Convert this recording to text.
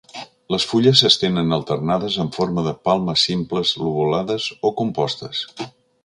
Les fulles s'estenen alternades en forma de palmes simples lobulades o compostes.